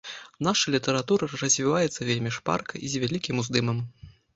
Наша літаратура развіваецца вельмі шпарка і з вялікім уздымам.